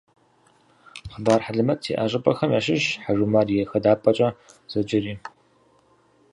Хъыбар хьэлэмэт зиӏэ щӏыпӏэхэм ящыщщ «Хьэжумар и хадапӏэкӏэ» зэджэри.